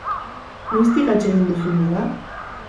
Noiztik atsegin duzu moda?